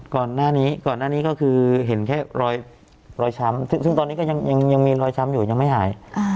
ก่อนหน้านี้ก่อนหน้านี้ก็คือเห็นแค่รอยช้ำซึ่งตอนนี้ก็ยังมีรอยช้ำอยู่ยังไม่หาย